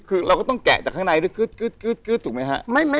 คือเราก็ต้องแกะจากข้างในด้วยกึ๊ดถูกไหมฮะ